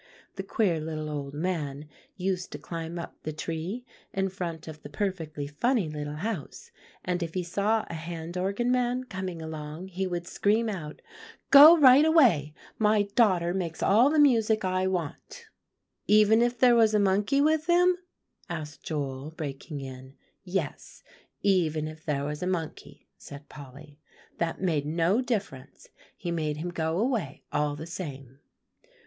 The queer little old man used to climb up the tree in front of the perfectly funny little house, and if he saw a hand organ man coming along, he would scream out, 'Go right away! my daughter makes all the music I want.'" [Illustration: "Go right away! my daughter makes all the music I want."] "Even if there was a monkey with him?" asked Joel, breaking in. "Yes, even if there was a monkey," said Polly, "that made no difference; he made him go away all the same.